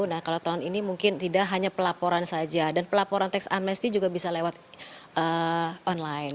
nah kalau tahun ini mungkin tidak hanya pelaporan saja dan pelaporan teks amnesty juga bisa lewat online